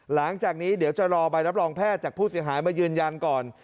หลังจากนี้เดี๋ยวจะรอใบรับรองแพทย์จากผู้เสียหายมายืนยันก่อน